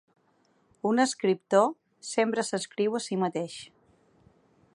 Un escriptor sempre s’escriu a si mateix.